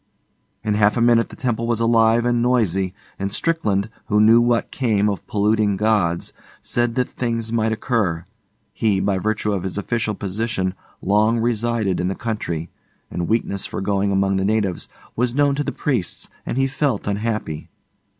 In half a minute the temple was alive and noisy, and Strickland, who knew what came of polluting gods, said that things might occur. He, by virtue of his official position, long residence in the country, and weakness for going among the natives, was known to the priests and he felt unhappy.